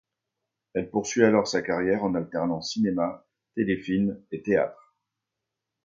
Elle poursuit alors sa carrière en alternant cinéma, téléfilm et théâtre.